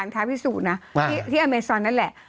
ถ้าดูในหนังก็น่ากลัว